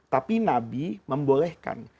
tapi nabi membolehkan